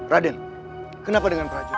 raden kenapa dengan prajurit